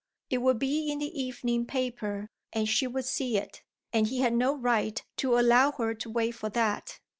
It would be in the evening paper and she would see it, and he had no right to allow her to wait for that.